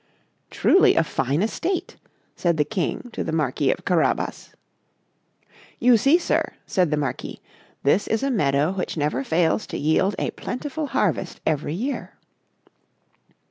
"Truly a fine estate," said the King to the Marquis of Carabas. "You see, sir," said the Marquis, "this is a meadow which never fails to yield a plentiful harvest every year."